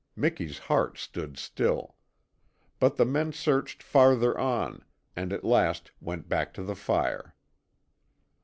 Miki's heart stood still. But the men searched farther on, and at last went back to the fire.